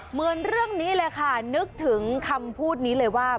เหมือนเรื่องนี้เลยค่ะนึกถึงคำพูดนี้เลยว่า